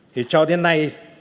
thì cho đến nay